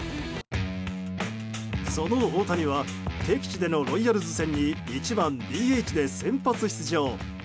その大谷は敵地でのロイヤルズ戦に１番ＤＨで先発出場。